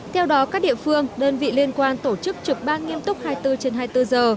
theo đó các địa phương đơn vị liên quan tổ chức trực ban nghiêm túc hai mươi bốn trên hai mươi bốn giờ